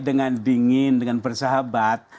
dengan dingin dengan bersahabat